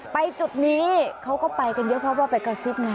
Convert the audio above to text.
จุดนี้เขาก็ไปกันเยอะเพราะว่าไปกระซิบไง